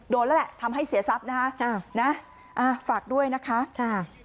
โดนแล้วแหละทำให้เสียทรัพย์นะฮะฝากด้วยนะคะ